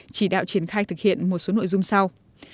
chỉ đạo triển khai thực hiện một số nội dung sau